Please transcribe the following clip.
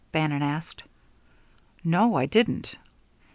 Bannon asked. "No, I didn't."